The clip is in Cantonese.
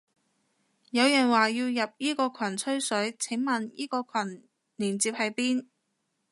有人話要入依個羣吹水，請問依個羣個鏈接喺邊？